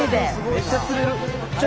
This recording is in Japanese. めっちゃ釣れる。